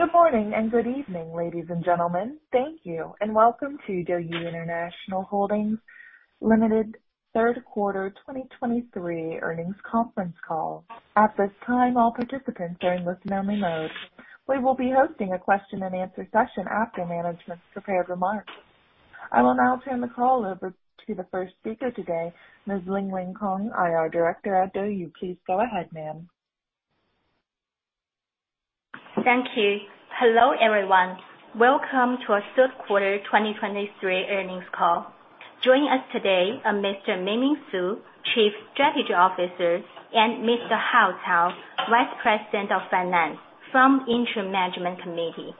Good morning and good evening, ladies and gentlemen. Thank you, and welcome to DouYu International Holdings Limited third quarter 2023 earnings conference call. At this time, all participants are in listen-only mode. We will be hosting a question-and-answer session after management's prepared remarks. I will now turn the call over to the first speaker today, Ms. Lingling Kong, IR Director at DouYu. Please go ahead, ma'am. Thank you. Hello, everyone. Welcome to our third quarter 2023 earnings call. Joining us today are Mr. Mingming Su, Chief Strategy Officer, and Mr. Hao Cao, Vice President of Finance, from Interim Management Committee.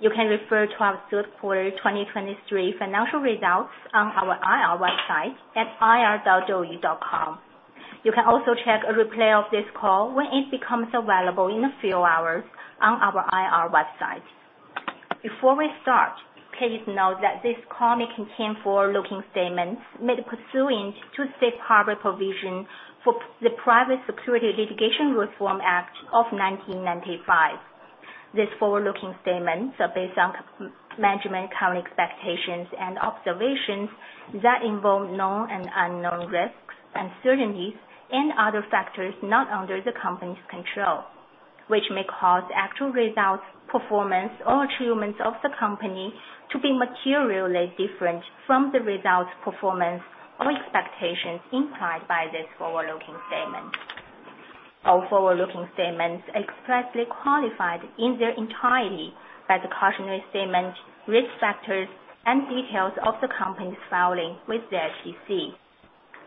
You can refer to our third quarter 2023 financial results on our IR website at ir.douyu.com. You can also check a replay of this call when it becomes available in a few hours on our IR website. Before we start, please note that this call may contain forward-looking statements made pursuant to Safe Harbor provision for the Private Securities Litigation Reform Act of 1995. These forward-looking statements are based on management's current expectations and observations that involve known and unknown risks, uncertainties, and other factors not under the company's control, which may cause actual results, performance, or achievements of the company to be materially different from the results, performance, or expectations implied by this forward-looking statement. All forward-looking statements expressly qualified in their entirety by the cautionary statement, risk factors, and details of the company's filing with the SEC.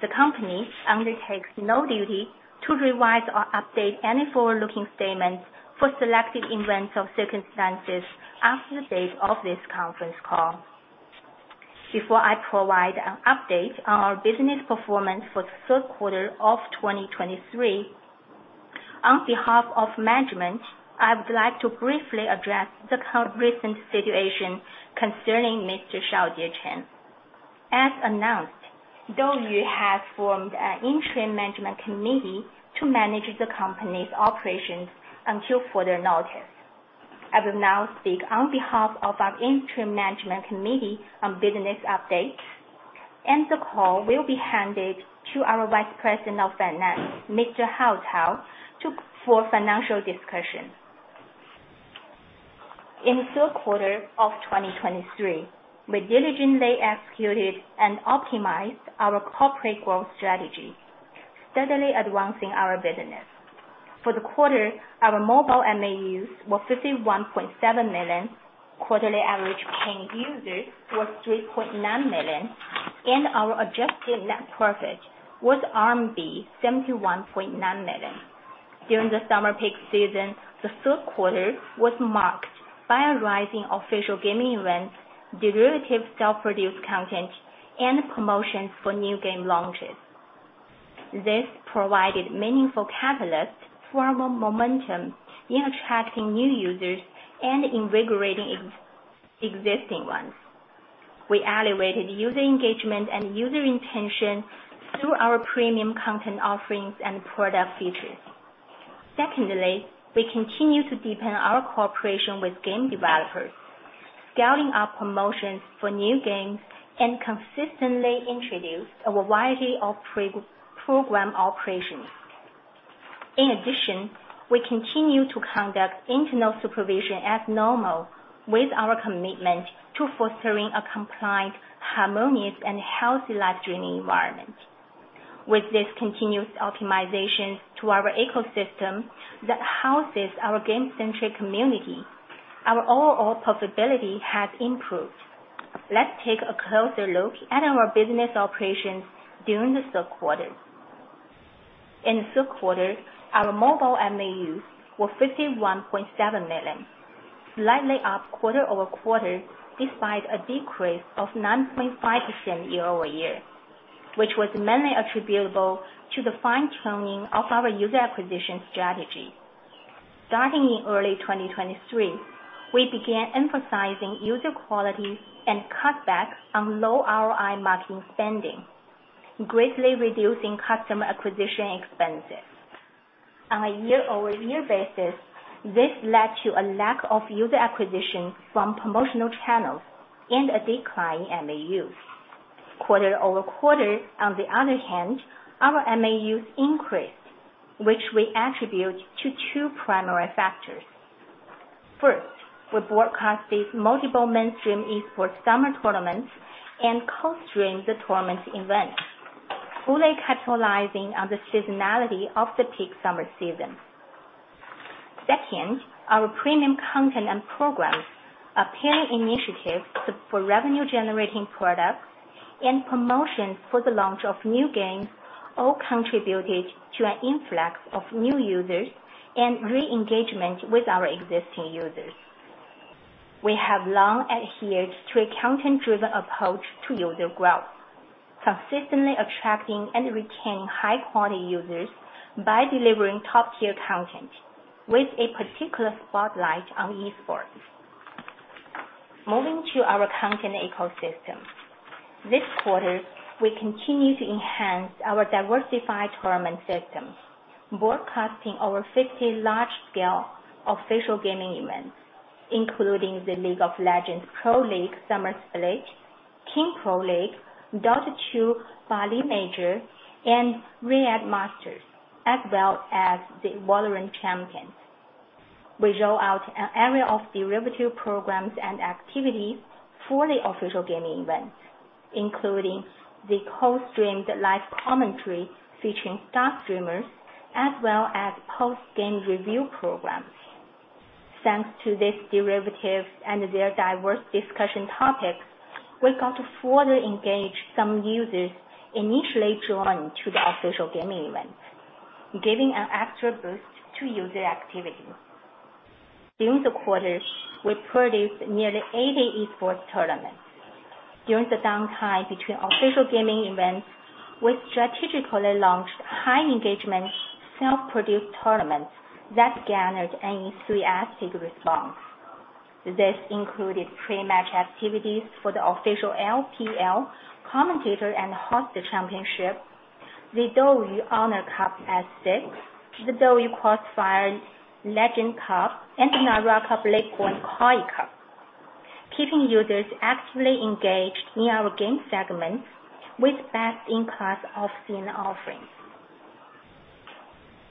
The company undertakes no duty to revise or update any forward-looking statements for selected events or circumstances after the date of this conference call. Before I provide an update on our business performance for the third quarter of 2023, on behalf of management, I would like to briefly address the current recent situation concerning Mr. Shaojie Chen. As announced, DouYu has formed an interim management committee to manage the company's operations until further notice. I will now speak on behalf of our interim management committee on business updates, and the call will be handed to our Vice President of Finance, Mr. Hao Cao, for financial discussion. In the third quarter of 2023, we diligently executed and optimized our corporate growth strategy, steadily advancing our business. For the quarter, our mobile MAUs were 51.7 million, quarterly average paying users was 3.9 million, and our adjusted net profit was RMB 71.9 million. During the summer peak season, the third quarter was marked by a rising official gaming events, derivative self-produced content, and promotions for new game launches. This provided meaningful catalyst for more momentum in attracting new users and invigorating existing ones. We elevated user engagement and user intention through our premium content offerings and product features. Secondly, we continue to deepen our cooperation with game developers, scaling up promotions for new games, and consistently introduced a variety of pre-program operations. In addition, we continue to conduct internal supervision as normal with our commitment to fostering a compliant, harmonious, and healthy live streaming environment. With this continuous optimization to our ecosystem that houses our game-centric community, our overall profitability has improved. Let's take a closer look at our business operations during the third quarter. In the third quarter, our mobile MAUs were 51.7 million, slightly up quarter-over-quarter, despite a decrease of 9.5% year-over-year, which was mainly attributable to the fine-tuning of our user acquisition strategy. Starting in early 2023, we began emphasizing user quality and cutbacks on low ROI marketing spending, greatly reducing customer acquisition expenses. On a year-over-year basis, this led to a lack of user acquisition from promotional channels and a decline in MAUs. Quarter-over-quarter, on the other hand, our MAUs increased, which we attribute to two primary factors. First, we broadcasted multiple mainstream eSports summer tournaments and co-streamed the tournament event, fully capitalizing on the seasonality of the peak summer season. Second, our premium content and programs, appealing initiatives for revenue-generating products, and promotions for the launch of new games, all contributed to an influx of new users and re-engagement with our existing users. We have long adhered to a content-driven approach to user growth, consistently attracting and retaining high-quality users by delivering top-tier content, with a particular spotlight on eSports.... Moving to our content ecosystem. This quarter, we continue to enhance our diversified tournament system, broadcasting over 50 large-scale official gaming events, including the League of Legends Pro League Summer Split, King Pro League, Dota 2 Bali Major, and Riyadh Masters, as well as the VALORANT Champions. We roll out an array of derivative programs and activities for the official gaming events, including the co-streamed live commentary featuring star streamers, as well as post-game review programs. Thanks to this derivative and their diverse discussion topics, we got to further engage some users initially drawn to the official gaming event, giving an extra boost to user activity. During the quarter, we produced nearly 80 eSports tournaments. During the downtime between official gaming events, we strategically launched high engagement, self-produced tournaments that garnered an enthusiastic response. This included pre-match activities for the official LPL commentator and host the championship, the DouYu Honor Cup S6, the DouYu CrossFire Legend Cup, and the Naraka: Bladepoint Koi Cup Lake One Koi Cup, keeping users actively engaged in our game segments with best-in-class of scene offerings.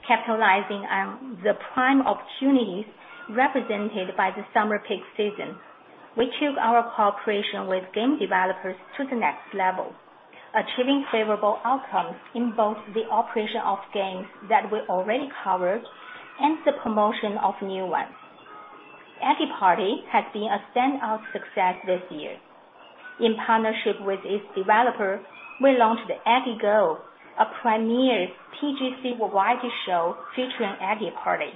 Capitalizing on the prime opportunities represented by the summer peak season, we took our cooperation with game developers to the next level, achieving favorable outcomes in both the operation of games that we already covered and the promotion of new ones. Eggy Party has been a standout success this year. In partnership with its developer, we launched the Eggy Go, a premier PGC variety show featuring Eggy Party.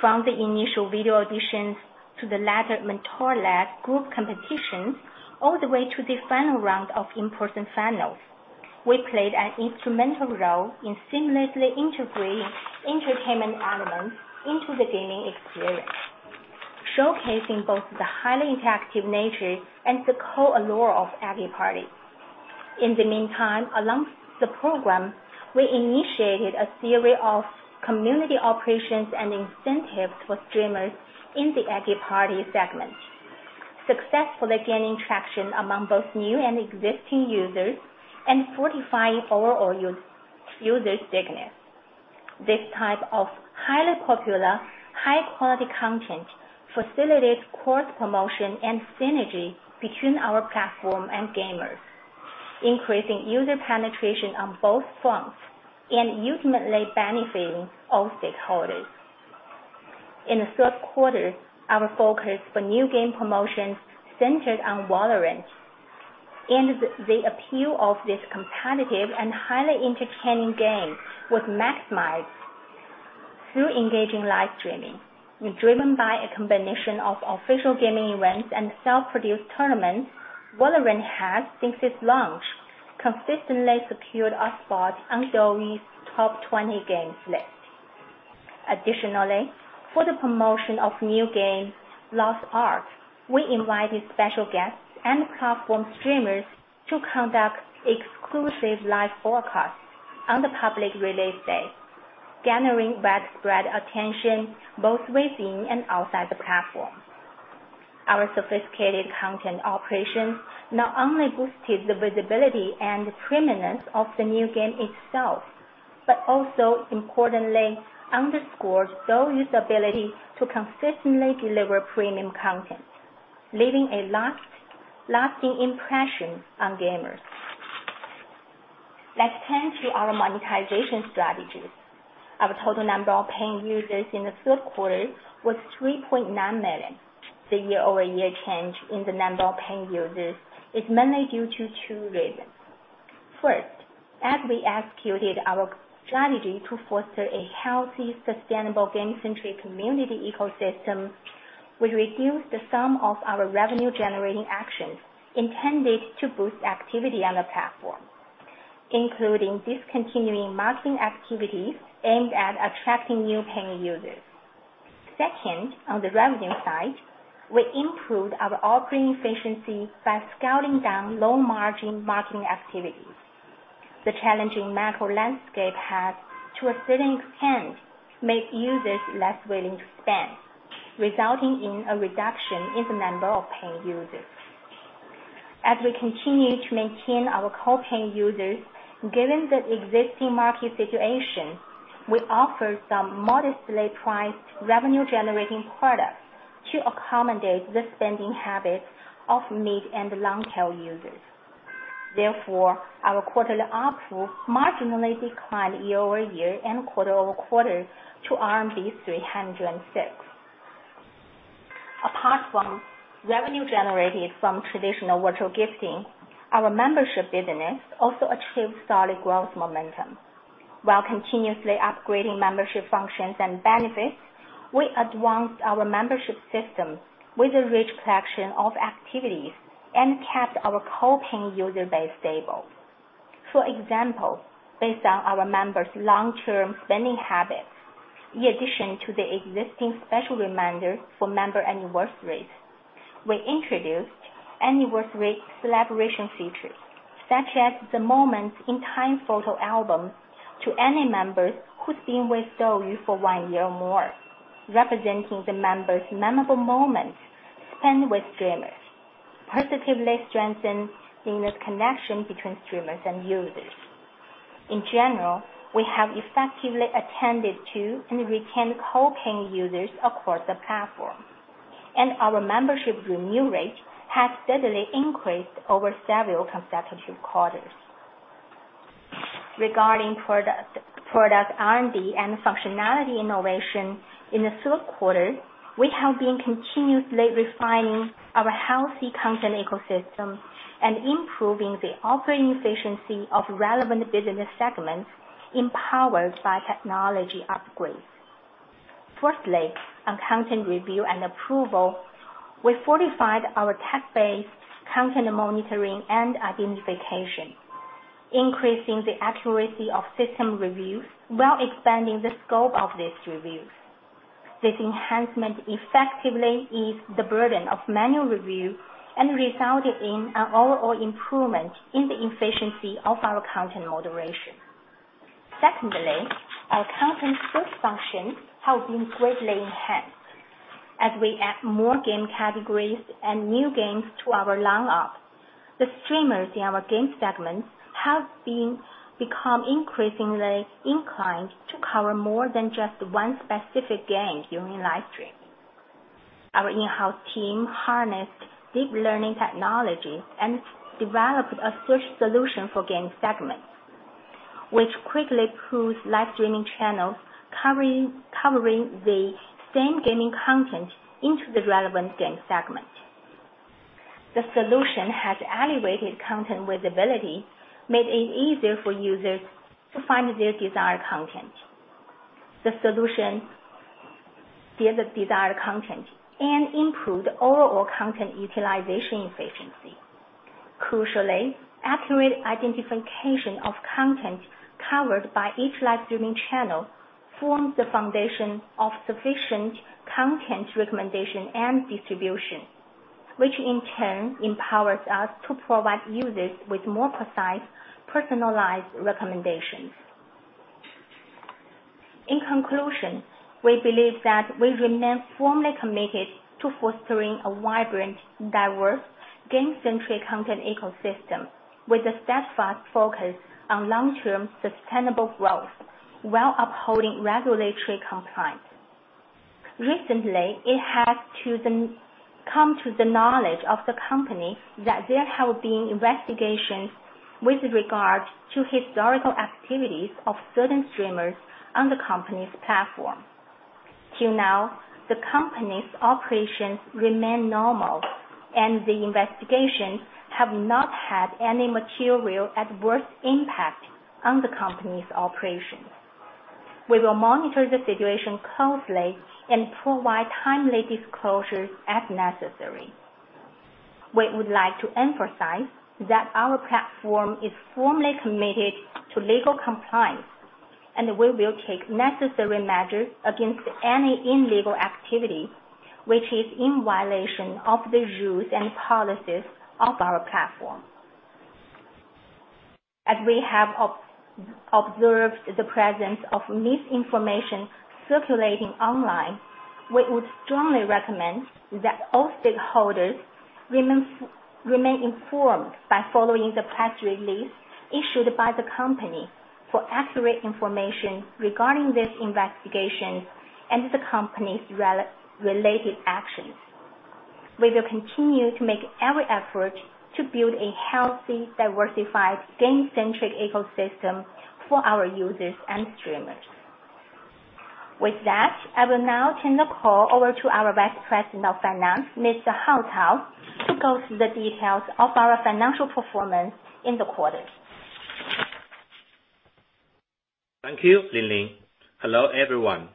From the initial video auditions to the latter mentor-led group competitions, all the way to the final round of in-person finals, we played an instrumental role in seamlessly integrating entertainment elements into the gaming experience, showcasing both the highly interactive nature and the core allure of Eggy Party. In the meantime, among the program, we initiated a series of community operations and incentives for streamers in the Eggy Party segment, successfully gaining traction among both new and existing users, and fortifying overall user stickiness. This type of highly popular, high-quality content facilitates cross promotion and synergy between our platform and gamers, increasing user penetration on both fronts and ultimately benefiting all stakeholders. In the third quarter, our focus for new game promotions centered on VALORANT, and the appeal of this competitive and highly entertaining game was maximized through engaging live streaming. Driven by a combination of official gaming events and self-produced tournaments, VALORANT has, since its launch, consistently secured a spot on DouYu's top 20 games list. Additionally, for the promotion of new game, Lost Ark, we invited special guests and platform streamers to conduct exclusive live broadcasts on the public release day, gathering widespread attention both within and outside the platform. Our sophisticated content operations not only boosted the visibility and prominence of the new game itself, but also importantly underscored DouYu's ability to consistently deliver premium content, leaving a lasting impression on gamers. Let's turn to our monetization strategies. Our total number of paying users in the third quarter was 3.9 million. The year-over-year change in the number of paying users is mainly due to two reasons. First, as we executed our strategy to foster a healthy, sustainable, game-centric community ecosystem, we reduced the sum of our revenue-generating actions intended to boost activity on the platform, including discontinuing marketing activities aimed at attracting new paying users. Second, on the revenue side, we improved our operating efficiency by scaling down low-margin marketing activities. The challenging macro landscape has, to a certain extent, made users less willing to spend, resulting in a reduction in the number of paying users. As we continue to maintain our core paying users, given the existing market situation, we offer some modestly priced revenue-generating products to accommodate the spending habits of mid and long-tail users. Therefore, our quarterly ARPU marginally declined year-over-year and quarter-over-quarter to RMB 306. Apart from revenue generated from traditional virtual gifting, our membership business also achieved solid growth momentum. While continuously upgrading membership functions and benefits, we advanced our membership system with a rich collection of activities and kept our core paying user base stable.... For example, based on our members' long-term spending habits, in addition to the existing special reminders for member anniversary, we introduced anniversary celebration features, such as the moments in time photo album to any members who's been with DouYu for one year or more, representing the members' memorable moments spent with streamers. Positively strengthening the connection between streamers and users. In general, we have effectively attended to and retained core paying users across the platform, and our membership renew rate has steadily increased over several consecutive quarters. Regarding product, product R&D and functionality innovation, in the third quarter, we have been continuously refining our healthy content ecosystem and improving the operating efficiency of relevant business segments empowered by technology upgrades. Firstly, on content review and approval, we fortified our tech-based content monitoring and identification, increasing the accuracy of system reviews while expanding the scope of these reviews. This enhancement effectively eased the burden of manual review and resulted in an overall improvement in the efficiency of our content moderation. Secondly, our content search function has been greatly enhanced. As we add more game categories and new games to our lineup, the streamers in our game segments have become increasingly inclined to cover more than just one specific game during live stream. Our in-house team harnessed deep learning technology and developed a search solution for game segments, which quickly proves live streaming channels covering the same gaming content into the relevant game segment. The solution has elevated content visibility, made it easier for users to find their desired content. The solution gives the desired content and improved overall content utilization efficiency. Crucially, accurate identification of content covered by each live streaming channel forms the foundation of sufficient content recommendation and distribution, which in turn empowers us to provide users with more precise, personalized recommendations. In conclusion, we believe that we remain firmly committed to fostering a vibrant, diverse, game-centric content ecosystem, with a steadfast focus on long-term sustainable growth while upholding regulatory compliance. Recently, it has come to the knowledge of the company that there have been investigations with regard to historical activities of certain streamers on the company's platform. Till now, the company's operations remain normal, and the investigations have not had any material adverse impact on the company's operations. We will monitor the situation closely and provide timely disclosures as necessary. We would like to emphasize that our platform is firmly committed to legal compliance, and we will take necessary measures against any illegal activity which is in violation of the rules and policies of our platform. As we have observed the presence of misinformation circulating online, we would strongly recommend that all stakeholders remain informed by following the press release issued by the company for accurate information regarding this investigation and the company's related actions. We will continue to make every effort to build a healthy, diversified, game-centric ecosystem for our users and streamers. With that, I will now turn the call over to our Vice President of Finance, Mr. Hao Cao, to go through the details of our financial performance in the quarter. Thank you, Lingling. Hello, everyone.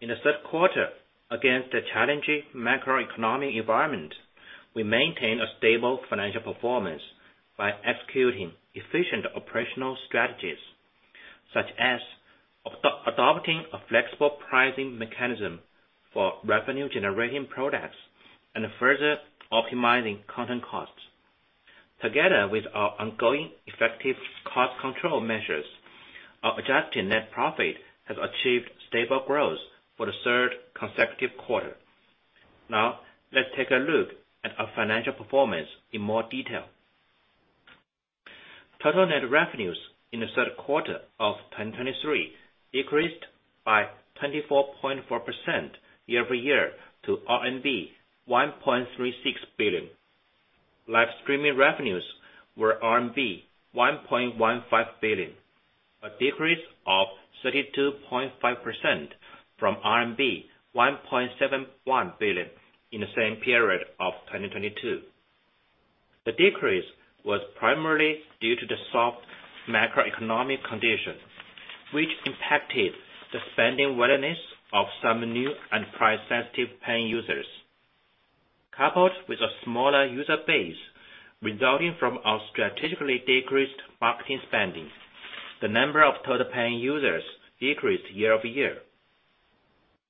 In the third quarter, against the challenging macroeconomic environment, we maintained a stable financial performance by executing efficient operational strategies, such as adopting a flexible pricing mechanism for revenue-generating products and further optimizing content costs. Together with our ongoing effective cost control measures, our adjusted net profit has achieved stable growth for the third consecutive quarter. Now, let's take a look at our financial performance in more detail. Total net revenues in the third quarter of 2023 increased by 24.4% year over year to RMB 1.36 billion. Live streaming revenues were RMB 1.15 billion, a decrease of 32.5% from RMB 1.71 billion in the same period of 2022. The decrease was primarily due to the soft macroeconomic conditions, which impacted the spending willingness of some new and price-sensitive paying users... coupled with a smaller user base, resulting from our strategically decreased marketing spending, the number of total paying users decreased year-over-year.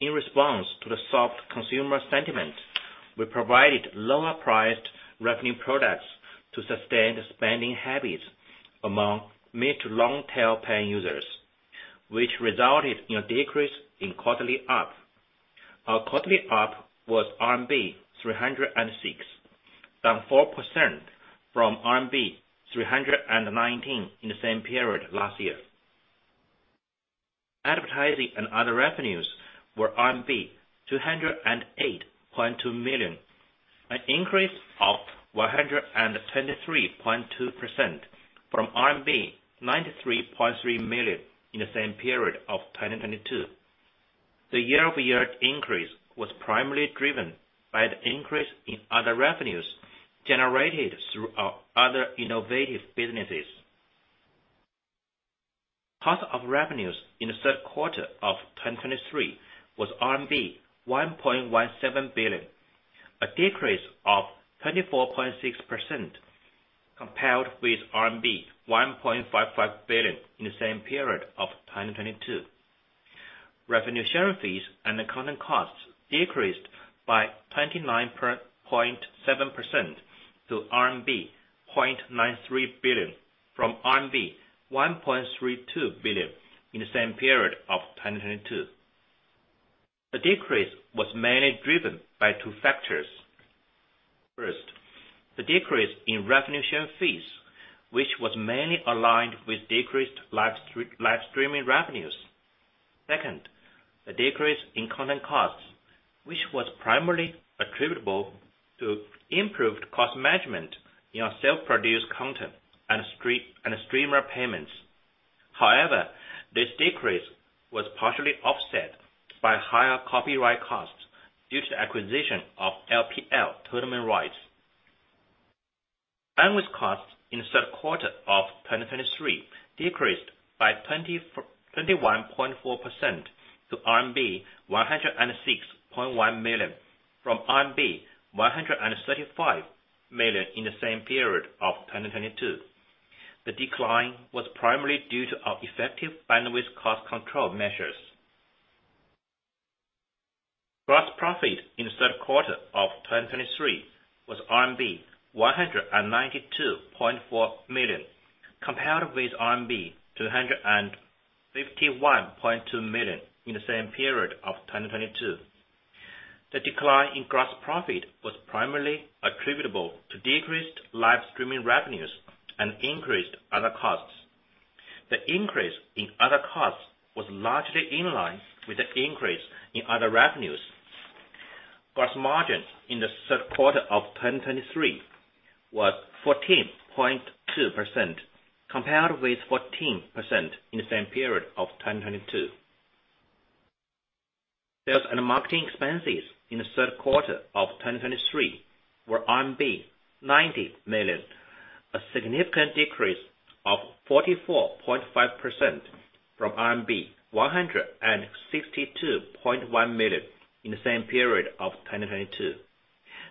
In response to the soft consumer sentiment, we provided lower-priced revenue products to sustain the spending habits among mid- to long-tail paying users, which resulted in a decrease in quarterly ARPU. Our quarterly ARPU was RMB 306, down 4% from RMB 319 in the same period last year. Advertising and other revenues were 208.2 million, an increase of 123.2% from RMB 93.3 million in the same period of 2022. The year-over-year increase was primarily driven by the increase in other revenues generated through our other innovative businesses. Cost of revenues in the third quarter of 2023 was RMB 1.17 billion, a decrease of 24.6% compared with RMB 1.55 billion in the same period of 2022. Revenue share fees and content costs decreased by 29.7% to RMB 0.93 billion, from RMB 1.32 billion in the same period of 2022. The decrease was mainly driven by two factors. First, the decrease in revenue share fees, which was mainly aligned with decreased live streaming revenues. Second, the decrease in content costs, which was primarily attributable to improved cost management in our self-produced content and stream, and streamer payments. However, this decrease was partially offset by higher copyright costs due to the acquisition of LPL tournament rights. Bandwidth costs in the third quarter of 2023 decreased by 21.4% to RMB 106.1 million, from RMB 135 million in the same period of 2022. The decline was primarily due to our effective bandwidth cost control measures. Gross profit in the third quarter of 2023 was RMB 192.4 million, compared with RMB 251.2 million in the same period of 2022. The decline in gross profit was primarily attributable to decreased live streaming revenues and increased other costs. The increase in other costs was largely in line with the increase in other revenues. Gross margin in the third quarter of 2023 was 14.2%, compared with 14% in the same period of 2022. Sales and marketing expenses in the third quarter of 2023 were RMB 90 million, a significant decrease of 44.5% from RMB 162.1 million in the same period of 2022.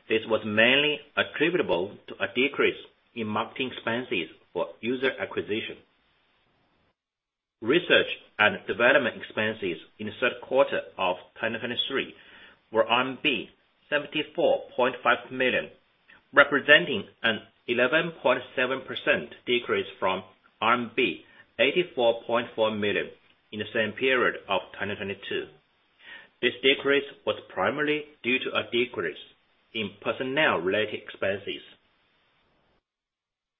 This was mainly attributable to a decrease in marketing expenses for user acquisition. Research and development expenses in the third quarter of 2023 were RMB 74.5 million, representing an 11.7% decrease from RMB 84.4 million in the same period of 2022. This decrease was primarily due to a decrease in personnel-related expenses.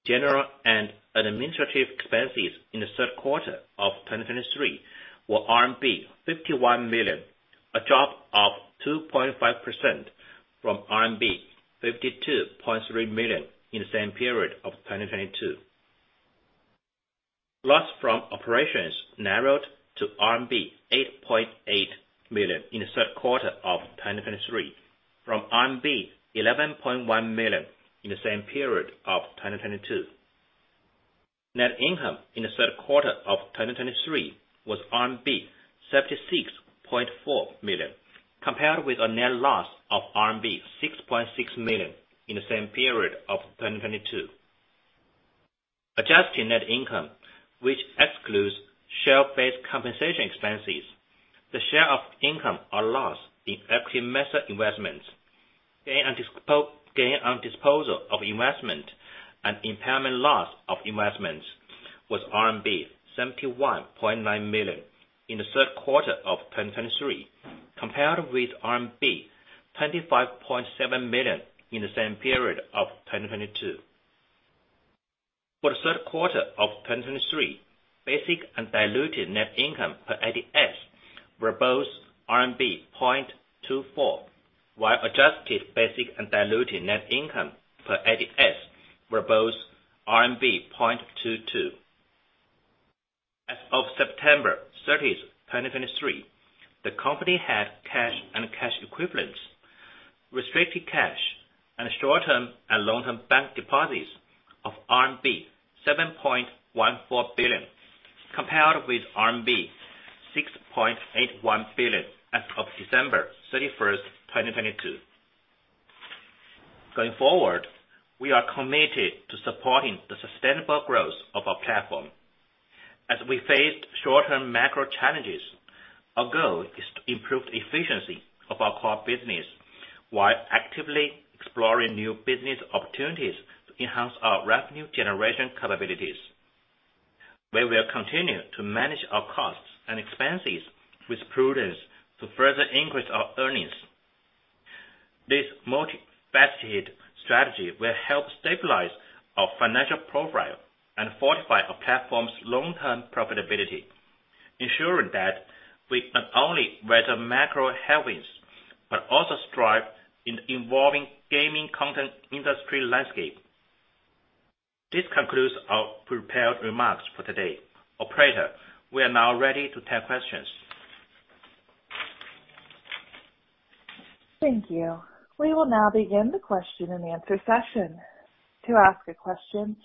General and administrative expenses in the third quarter of 2023 were RMB 51 million, a drop of 2.5% from RMB 52.3 million in the same period of 2022. Loss from operations narrowed to RMB 8.8 million in the third quarter of 2023, from RMB 11.1 million in the same period of 2022. Net income in the third quarter of 2023 was RMB 76.4 million, compared with a net loss of RMB 6.6 million in the same period of 2022. Adjusted net income, which excludes share-based compensation expenses, the share of income or loss in equity method investments, gain on disposal of investment and impairment loss of investments, was RMB 71.9 million in the third quarter of 2023, compared with RMB 25.7 million in the same period of 2022. For the third quarter of 2023, basic and diluted net income per ADS were both RMB 0.24, while adjusted basic and diluted net income per ADS were both RMB 0.22. As of September 30, 2023, the company had cash and cash equivalents, restricted cash, and short-term and long-term bank deposits of RMB 7.14 billion.... compared with RMB 6.81 billion as of December 31, 2022. Going forward, we are committed to supporting the sustainable growth of our platform. As we face short-term macro challenges, our goal is to improve the efficiency of our core business, while actively exploring new business opportunities to enhance our revenue generation capabilities. We will continue to manage our costs and expenses with prudence to further increase our earnings. This multifaceted strategy will help stabilize our financial profile and fortify our platform's long-term profitability, ensuring that we not only weather macro headwinds, but also strive in the evolving gaming content industry landscape. This concludes our prepared remarks for today. Operator, we are now ready to take questions. Thank you. We will now begin the question and answer session. To ask a question,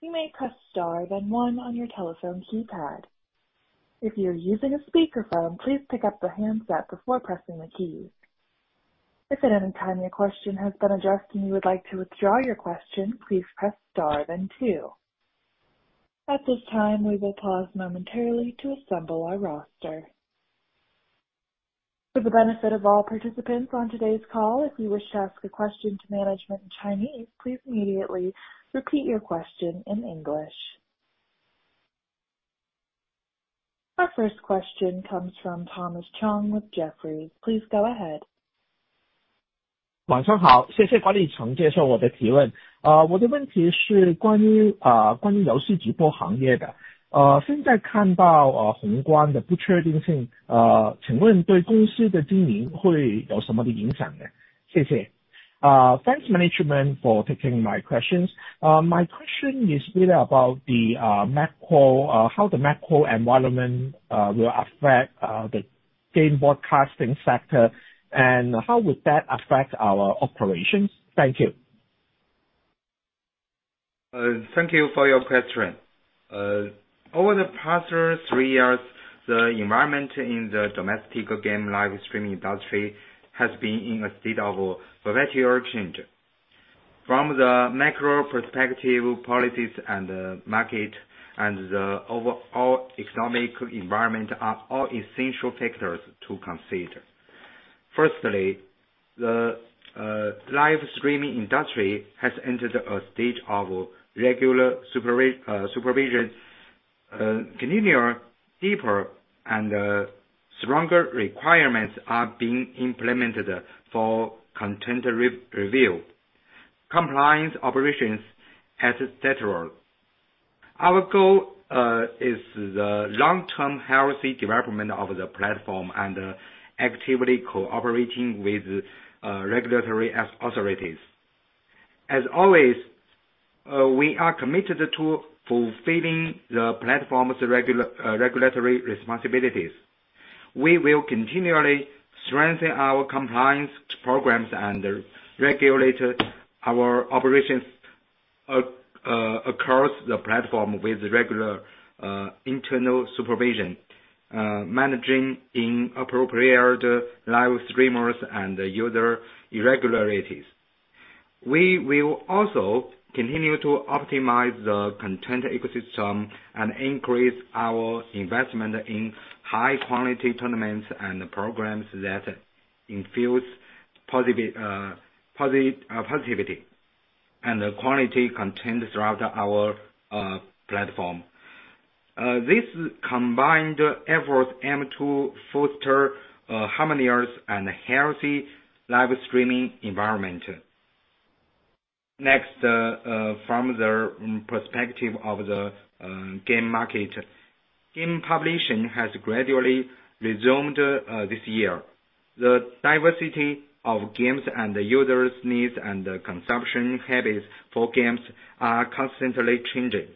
you may press Star then One on your telephone keypad. If you're using a speakerphone, please pick up the handset before pressing the keys. If at any time your question has been addressed and you would like to withdraw your question, please press Star then Two. At this time, we will pause momentarily to assemble our roster. For the benefit of all participants on today's call, if you wish to ask a question to management in Chinese, please immediately repeat your question in English. Our first question comes from Thomas Chong with Jefferies. Please go ahead. Thanks, management, for taking my questions. My question is really about the macro, how the macro environment will affect the game broadcasting sector, and how would that affect our operations? Thank you. Thank you for your question. Over the past three years, the environment in the domestic game live streaming industry has been in a state of perpetual change. From the macro perspective, policies and the market and the overall economic environment are all essential factors to consider. Firstly, the live streaming industry has entered a stage of regular supervision. Continual, deeper, and stronger requirements are being implemented for content re-review, compliance, operations, et cetera. Our goal is the long-term healthy development of the platform and actively cooperating with regulatory authorities. As always, we are committed to fulfilling the platform's regulatory responsibilities. We will continually strengthen our compliance programs and regulate our operations across the platform with regular internal supervision, managing inappropriate live streamers and user irregularities. We will also continue to optimize the content ecosystem and increase our investment in high-quality tournaments and programs that infuse positivity and quality content throughout our platform. This combined effort aim to foster a harmonious and healthy live streaming environment. Next, from the perspective of the game market. Game publishing has gradually resumed this year. The diversity of games and the users' needs and the consumption habits for games are constantly changing,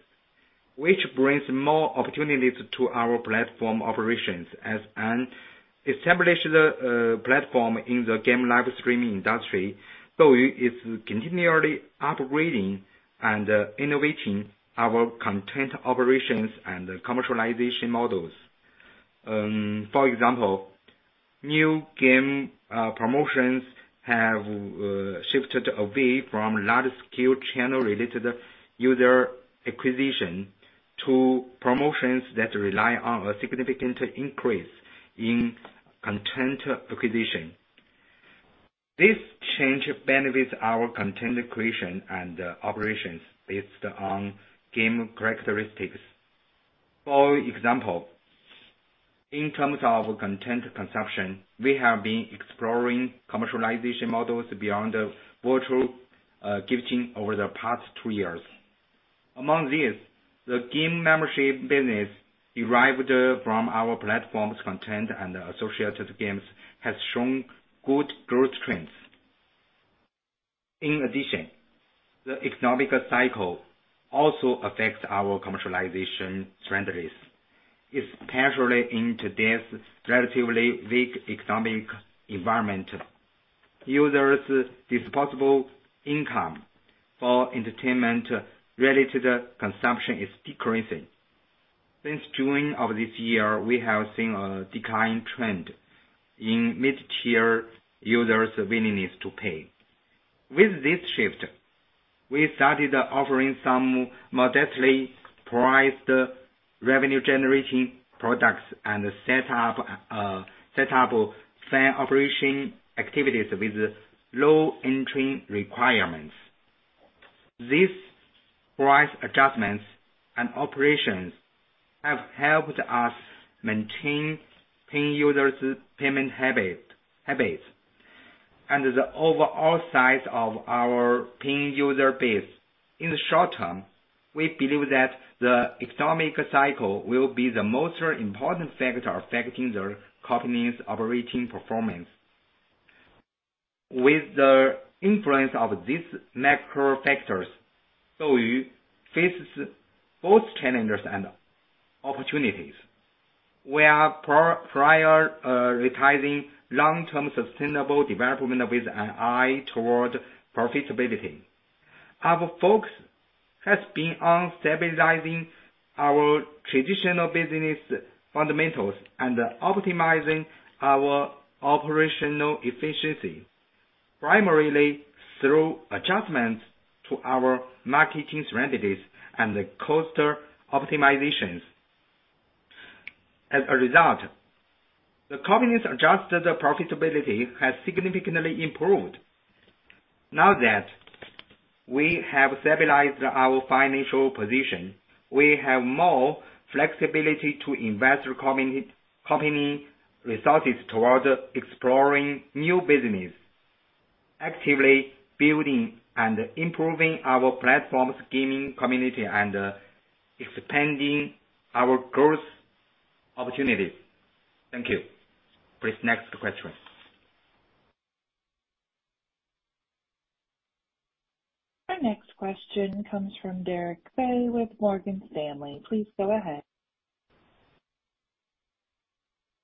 which brings more opportunities to our platform operations. As an established platform in the game live streaming industry, so it's continually upgrading and innovating our content operations and commercialization models. For example, new game promotions have shifted away from large-scale channel-related user acquisition to promotions that rely on a significant increase in content acquisition. This change benefits our content creation and operations based on game characteristics. For example, in terms of content consumption, we have been exploring commercialization models beyond the virtual gifting over the past two years. Among these, the game membership business, derived from our platform's content and associated games, has shown good growth trends. In addition, the economic cycle also affects our commercialization strategies. If casually in today's relatively weak economic environment-... users' disposable income for entertainment related consumption is decreasing. Since June of this year, we have seen a decline trend in mid-tier users' willingness to pay. With this shift, we started offering some modestly priced revenue generation products and set up, set up fan operation activities with low entry requirements. These price adjustments and operations have helped us maintain paying users' payment habits and the overall size of our paying user base. In the short term, we believe that the economic cycle will be the most important factor affecting the company's operating performance. With the influence of these macro factors, DouYu faces both challenges and opportunities. We are prioritizing long-term sustainable development with an eye toward profitability. Our focus has been on stabilizing our traditional business fundamentals and optimizing our operational efficiency, primarily through adjustments to our marketing strategies and cost optimizations. As a result, the company's adjusted profitability has significantly improved. Now that we have stabilized our financial position, we have more flexibility to invest the company, company resources toward exploring new business, actively building and improving our platform's gaming community, and expanding our growth opportunities. Thank you. Please, next question. Our next question comes from Derek Fei with Morgan Stanley. Please go ahead.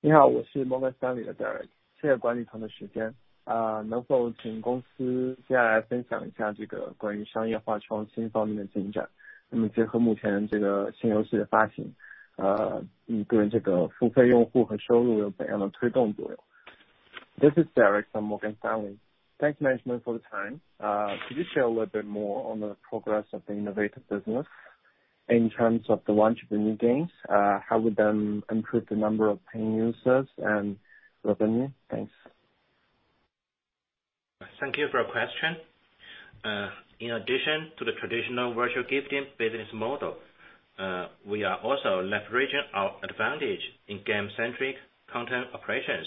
Hello, I'm Morgan Stanley, Derek. Thank you for your time. Could you please share a little bit more about the progress of the innovative business? And with the launch of the new games, how would them improve the number of paying users and revenue? Thanks. Thank you for your question. In addition to the traditional virtual gifting business model, we are also leveraging our advantage in game-centric content operations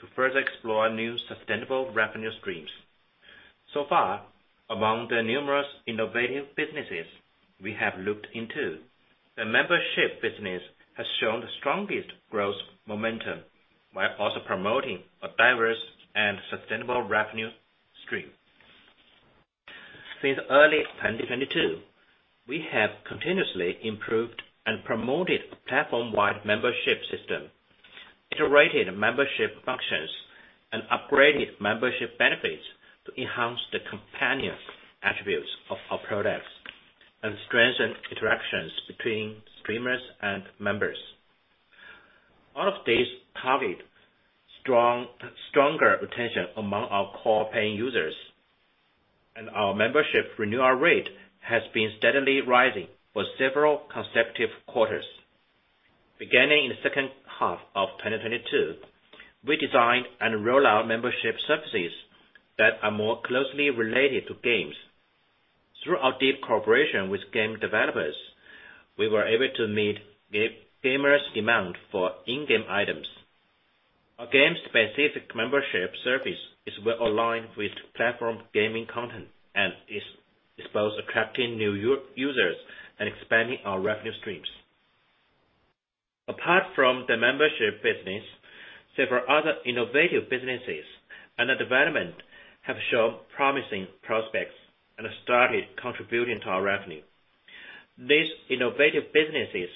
to further explore new sustainable revenue streams. So far, among the numerous innovative businesses we have looked into, the membership business has shown the strongest growth momentum, while also promoting a diverse and sustainable revenue stream. Since early 2022, we have continuously improved and promoted a platform-wide membership system, iterated membership functions, and upgraded membership benefits to enhance the companion attributes of our products, and strengthen interactions between streamers and members. All of these target stronger retention among our core paying users, and our membership renewal rate has been steadily rising for several consecutive quarters. Beginning in the second half of 2022, we designed and rolled out membership services that are more closely related to games. Through our deep cooperation with game developers, we were able to meet gamers' demand for in-game items. Our game-specific membership service is well aligned with platform gaming content and is both attracting new users and expanding our revenue streams. Apart from the membership business, several other innovative businesses and development have shown promising prospects and started contributing to our revenue. These innovative businesses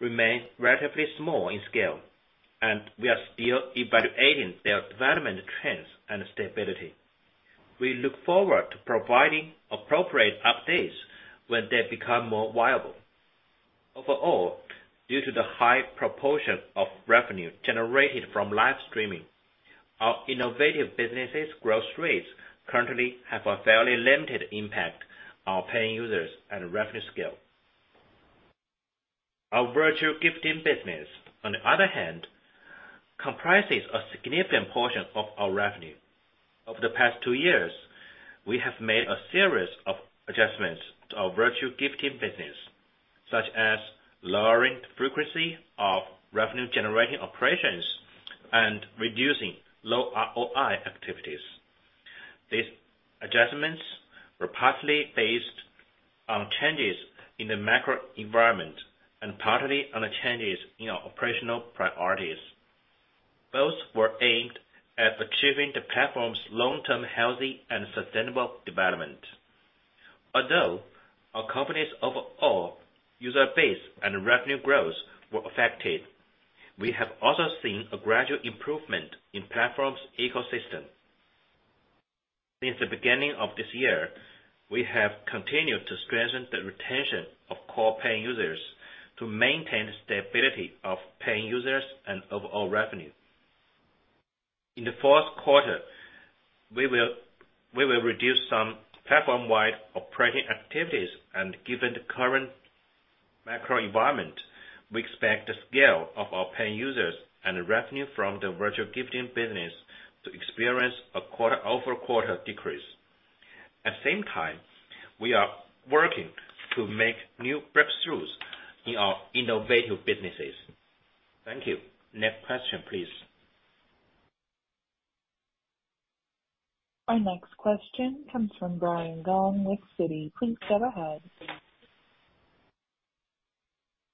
remain relatively small in scale, and we are still evaluating their development trends and stability. We look forward to providing appropriate updates when they become more viable. Overall, due to the high proportion of revenue generated from live streaming, our innovative businesses growth rates currently have a fairly limited impact on paying users and revenue scale. Our virtual gifting business, on the other hand, comprises a significant portion of our revenue. Over the past two years, we have made a series of adjustments to our virtual gifting business, such as lowering the frequency of revenue-generating operations and reducing low ROI activities. These adjustments were partly based on changes in the macro environment and partly on the changes in our operational priorities. Both were aimed at achieving the platform's long-term, healthy, and sustainable development…. Although our company's overall user base and revenue growth were affected, we have also seen a gradual improvement in platform's ecosystem. Since the beginning of this year, we have continued to strengthen the retention of core paying users to maintain the stability of paying users and overall revenue. In the fourth quarter, we will reduce some platform-wide operating activities, and given the current macro environment, we expect the scale of our paying users and the revenue from the virtual gifting business to experience a quarter-over-quarter decrease. At the same time, we are working to make new breakthroughs in our innovative businesses. Thank you. Next question, please. Our next question comes from Brian Gong with Citi. Please go ahead.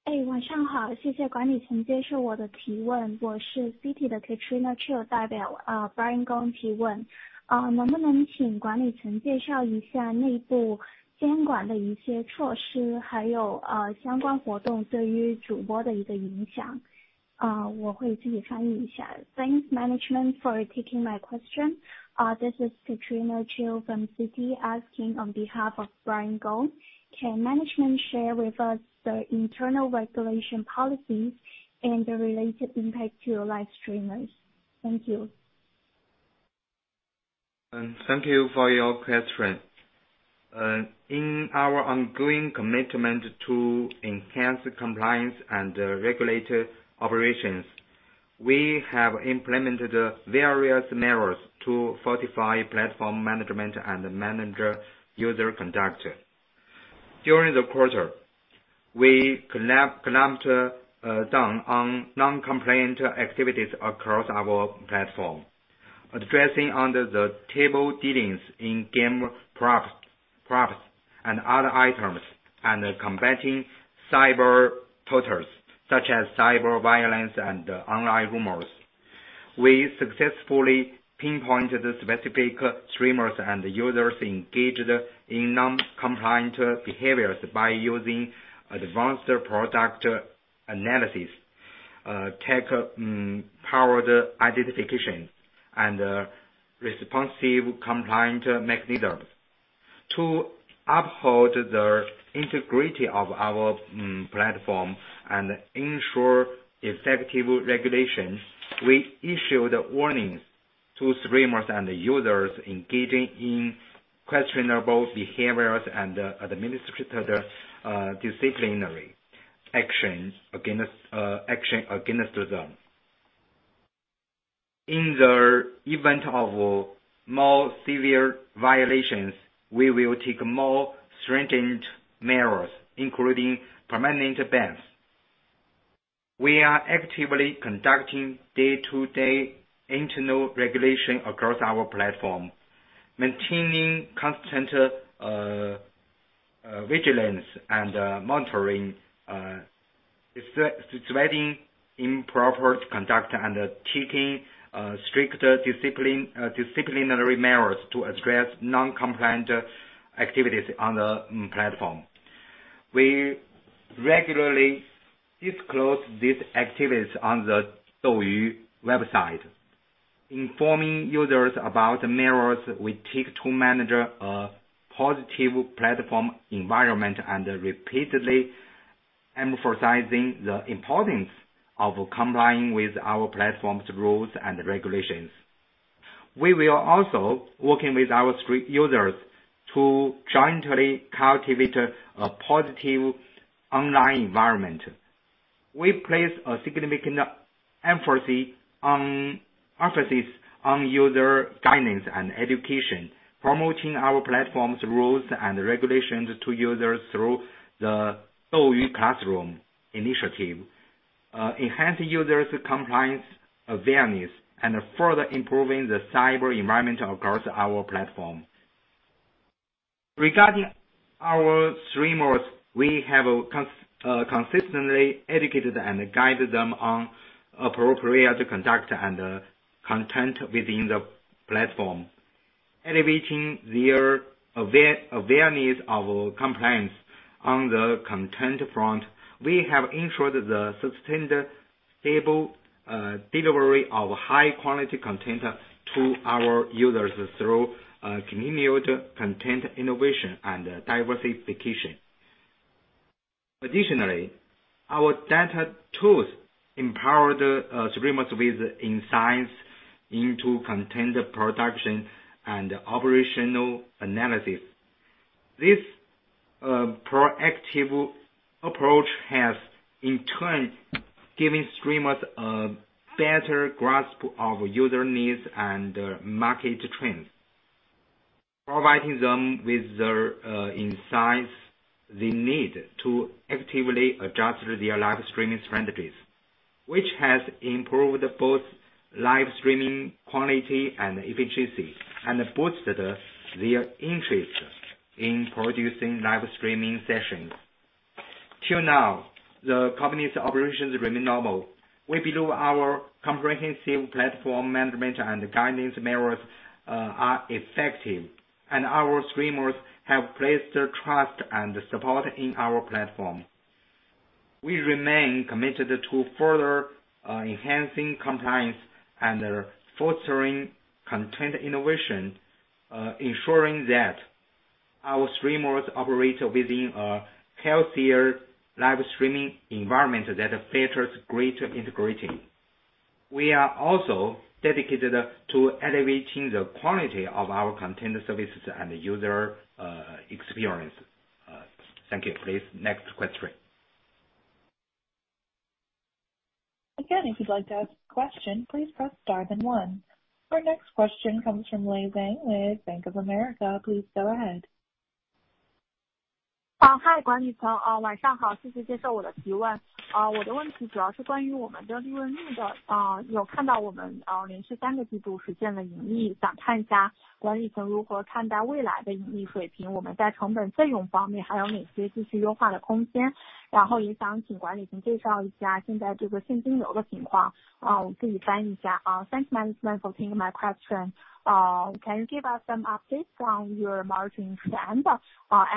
Hey, 晚上好，谢谢管理层接受我的提问。我是Citi的Katrina Chiu，代表Brian Gong提问。能不能请管理层介绍一下内部监管的一些措施，还有，相关活动对于主播的一个影响？我会自己翻译一下。Thanks, management, for taking my question. This is Katrina Chiu from Citi, asking on behalf of Brian Gong. Can management share with us the internal regulation policies and the related impact to your live streamers? Thank you. Thank you for your question. In our ongoing commitment to enhance compliance and regulated operations, we have implemented various measures to fortify platform management and manage user conduct. During the quarter, we clamped down on non-compliant activities across our platform, addressing under the table dealings in game props and other items, and combating cyber trolls, such as cyber violence and online rumours. We successfully pinpointed the specific streamers and users engaged in non-compliant behaviours by using advanced product analysis tech powered identification, and responsive compliance mechanisms. To uphold the integrity of our platform and ensure effective regulation, we issued warnings to streamers and users engaging in questionable behaviours and administered disciplinary actions against them. In the event of more severe violations, we will take more stringent measures, including permanent bans. We are actively conducting day-to-day internal regulation across our platform, maintaining constant vigilance and monitoring, spotting improper conduct and taking stricter disciplinary measures to address non-compliant activities on the platform. We regularly disclose these activities on the DouYu website, informing users about measures we take to manage a positive platform environment and repeatedly emphasizing the importance of complying with our platform's rules and regulations. We are also working with our streamer users to jointly cultivate a positive online environment. We place a significant emphasis on user guidance and education, promoting our platform's rules and regulations to users through the DouYu Classroom initiative, enhancing users' compliance awareness and further improving the cyber environment across our platform. Regarding our streamers, we have consistently educated and guided them on appropriate conduct and content within the platform, elevating their awareness of compliance. On the content front, we have ensured the sustained stable delivery of high quality content to our users through continued content innovation and diversification. Additionally, our data tools empowered streamers with insights into content production and operational analysis. This proactive approach has, in turn, given streamers a better grasp of user needs and market trends, providing them with the insights they need to actively adjust their live streaming strategies, which has improved both live streaming quality and efficiency, and boosted their interest in producing live streaming sessions.... Till now, the company's operations remain normal. We believe our comprehensive platform management and guidance measures are effective, and our streamers have placed their trust and support in our platform. We remain committed to further enhancing compliance and fostering content innovation, ensuring that our streamers operate within a healthier live streaming environment that features greater integrity. We are also dedicated to elevating the quality of our content services and user experience. Thank you. Please, next question. Again, if you'd like to ask a question, please press Star then one. Our next question comes from Lei Zhang with Bank of America. Please go ahead. Hi, management. Thanks, management, for taking my question. Can you give us some updates on your margin trend?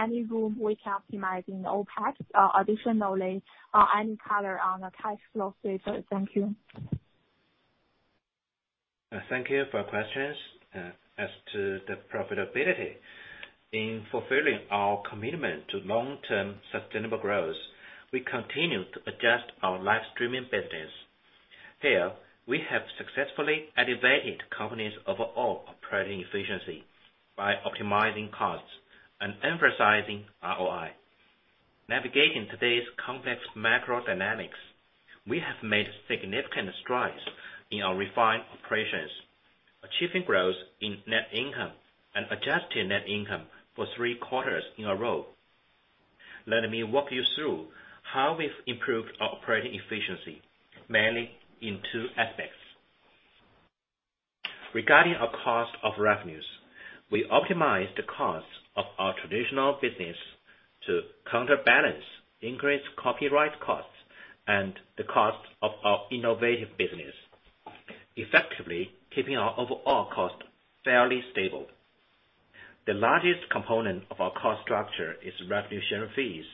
Any room which optimizing OpEx? Additionally, any color on the cash flow status? Thank you. Thank you for your questions. As to the profitability, in fulfilling our commitment to long-term sustainable growth, we continue to adjust our live streaming business. Here, we have successfully elevated company's overall operating efficiency by optimizing costs and emphasizing ROI. Navigating today's complex macro dynamics, we have made significant strides in our refined operations, achieving growth in net income and adjusting net income for three quarters in a row. Let me walk you through how we've improved our operating efficiency, mainly in two aspects. Regarding our cost of revenues, we optimized the cost of our traditional business to counterbalance increased copyright costs and the cost of our innovative business, effectively keeping our overall cost fairly stable. The largest component of our cost structure is revenue share fees.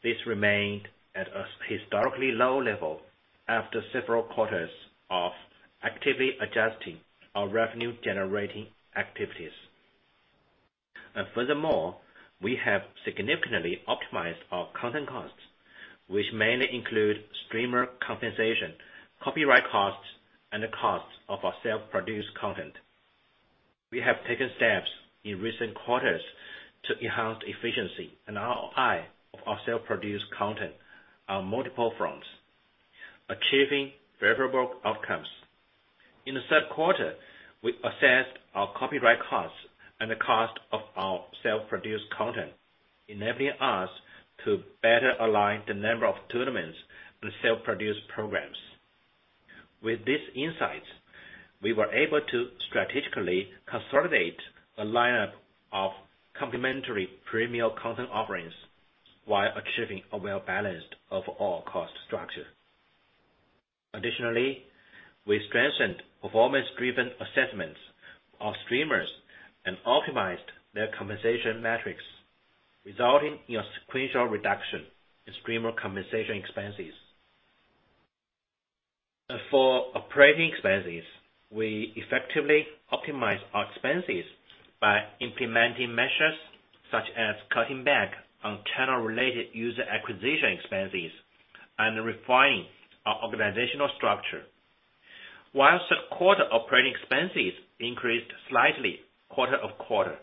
This remained at a historically low level after several quarters of actively adjusting our revenue generating activities. Furthermore, we have significantly optimized our content costs, which mainly include streamer compensation, copyright costs, and the costs of our self-produced content. We have taken steps in recent quarters to enhance efficiency and ROI of our self-produced content on multiple fronts, achieving favorable outcomes. In the third quarter, we assessed our copyright costs and the cost of our self-produced content, enabling us to better align the number of tournaments and self-produced programs. With these insights, we were able to strategically consolidate a lineup of complementary premium content offerings while achieving a well-balanced overall cost structure. Additionally, we strengthened performance-driven assessments of streamers and optimized their compensation metrics, resulting in a sequential reduction in streamer compensation expenses. For operating expenses, we effectively optimize our expenses by implementing measures such as cutting back on channel-related user acquisition expenses and refining our organizational structure. While such quarter operating expenses increased slightly quarter of quarter,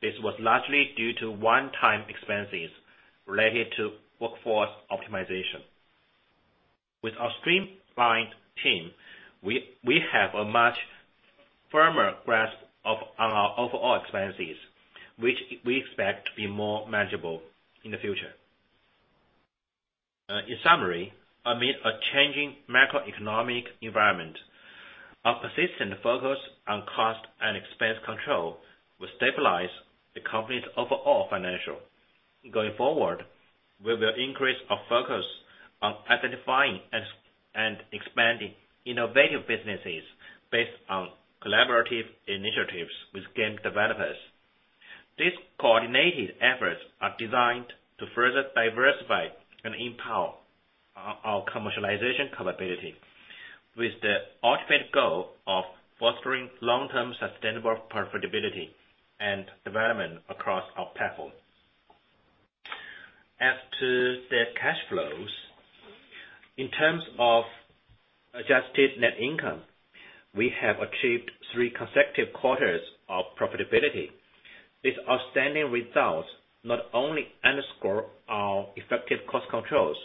this was largely due to one-time expenses related to workforce optimization. With our streamlined team, we have a much firmer grasp of our overall expenses, which we expect to be more manageable in the future. In summary, amid a changing macroeconomic environment, our persistent focus on cost and expense control will stabilize the company's overall financial. Going forward, we will increase our focus on identifying and expanding innovative businesses based on collaborative initiatives with game developers. These coordinated efforts are designed to further diversify and empower our commercialization capability, with the ultimate goal of fostering long-term sustainable profitability and development across our platform. As to the cash flows, in terms of adjusted net income, we have achieved three consecutive quarters of profitability. These outstanding results not only underscore our effective cost controls,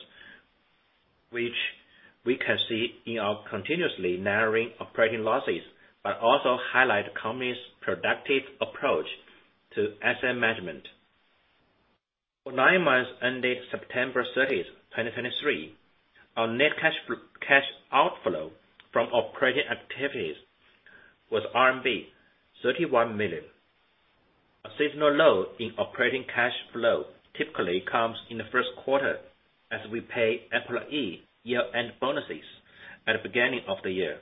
which we can see in our continuously narrowing operating losses, but also highlight the company's productive approach to asset management. For nine months, ending September 30, 2023, our net cash, cash outflow from operating activities was RMB 31 million. ...A seasonal low in operating cash flow typically comes in the first quarter as we pay employee year-end bonuses at the beginning of the year.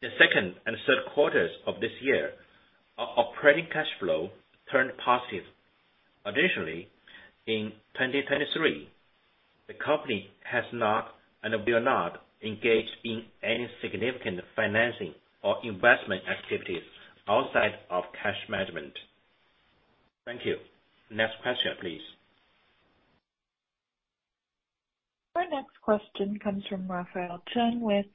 The second and third quarters of this year, our operating cash flow turned positive. Additionally, in 2023, the company has not and will not engage in any significant financing or investment activities outside of cash management. Thank you. Next question, please. Our next question comes from Raphael Chen with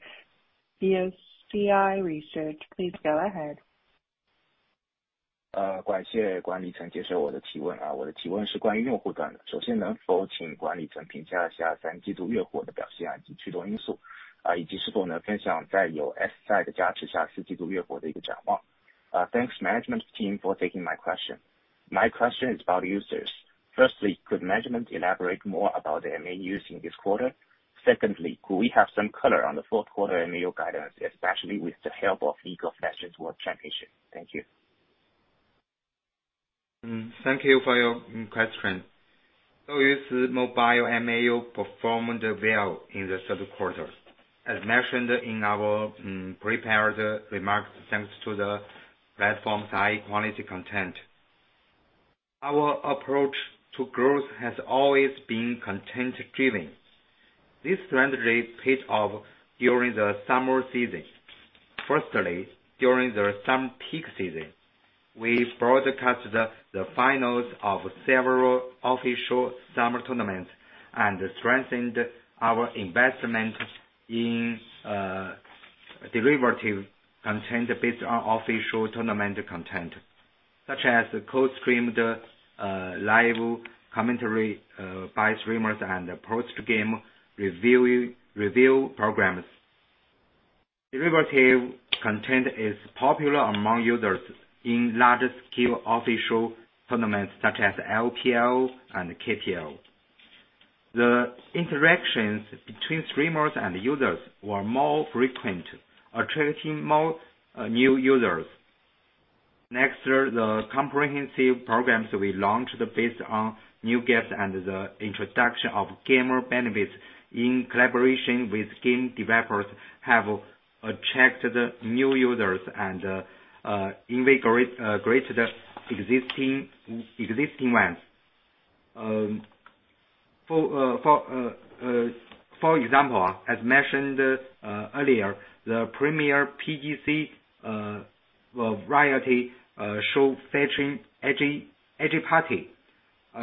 VOCI Research. Please go ahead. Thanks management team for taking my question. My question is about users. Firstly, could management elaborate more about the MAUs in this quarter? Secondly, could we have some color on the fourth quarter MAU guidance, especially with the help of League of Legends World Championship? Thank you. Thank you for your question. So yes, mobile MAU performed well in the third quarter. As mentioned in our prepared remarks, thanks to the platform's high quality content. Our approach to growth has always been content-driven. This strategy paid off during the summer season. Firstly, during the summer peak season, we broadcast the finals of several official summer tournaments and strengthened our investment in derivative content based on official tournament content, such as co-streamed live commentary by streamers and post-game review programs. Derivative content is popular among users in large-scale official tournaments such as LPL and KPL. The interactions between streamers and users were more frequent, attracting more new users. Next are the comprehensive programs we launched based on new gifts and the introduction of gamer benefits in collaboration with game developers, have attracted new users and invigorate the existing ones. For example, as mentioned earlier, the premier PGC variety show featuring Eggy Party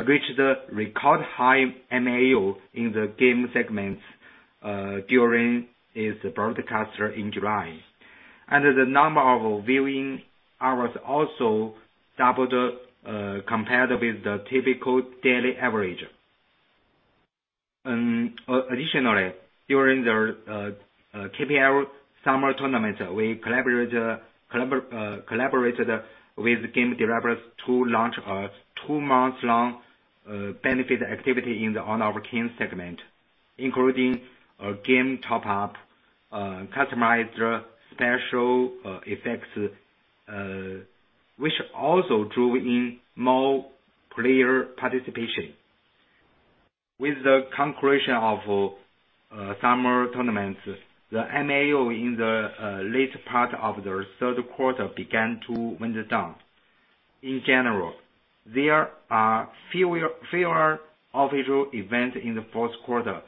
reached the record high MAU in the game segments during its broadcast in July. And the number of viewing hours also doubled compared with the typical daily average. Additionally, during the KPL summer tournament, we collaborated with game developers to launch a two-month long benefit activity in the Honour of Kings segment, including a game top up, customized special effects, which also drew in more player participation. With the conclusion of summer tournaments, the MAU in the later part of the third quarter began to wind down. In general, there are fewer official events in the fourth quarter.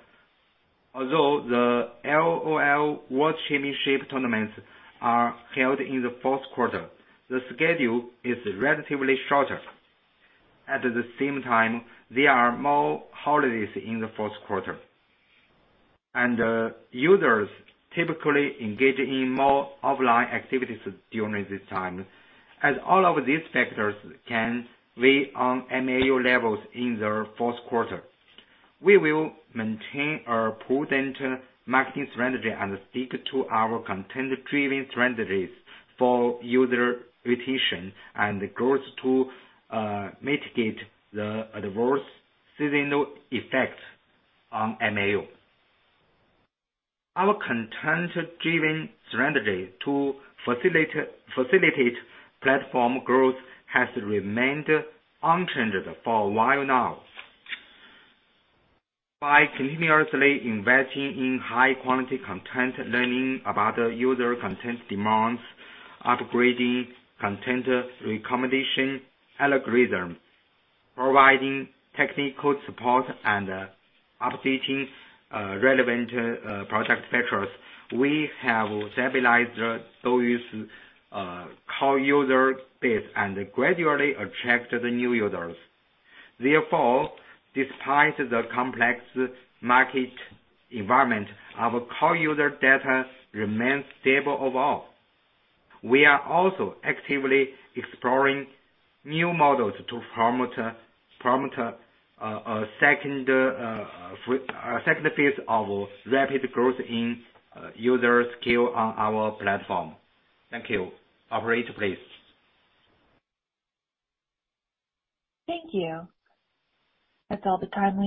Although the LOL World Championship tournaments are held in the fourth quarter, the schedule is relatively shorter. At the same time, there are more holidays in the fourth quarter, and users typically engage in more offline activities during this time. As all of these factors can weigh on MAU levels in the fourth quarter, we will maintain our prudent marketing strategy and stick to our content-driven strategies for user retention and growth to mitigate the adverse seasonal effect on MAU. Our content-driven strategy to facilitate platform growth has remained unchanged for a while now. By continuously investing in high quality content, learning about user content demands, upgrading content recommendation algorithm, providing technical support and updating relevant product features, we have stabilized DouYu's core user base and gradually attract the new users. Therefore, despite the complex market environment, our core user data remains stable overall. We are also actively exploring new models to promote a second phase of rapid growth in user scale on our platform. Thank you. Operator, please. Thank you. That's all the time we have.